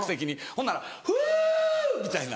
ほんなら「フゥ！」みたいな。